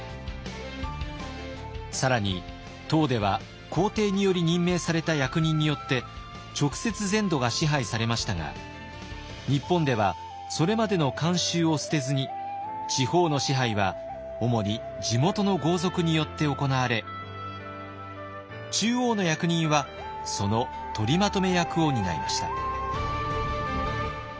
更に唐では皇帝により任命された役人によって直接全土が支配されましたが日本ではそれまでの慣習を捨てずに地方の支配は主に地元の豪族によって行われ中央の役人はその取りまとめ役を担いました。